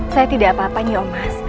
saya tidak apa apa nyai omas